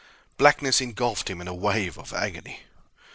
Blackness engulfed him in a wave of agony.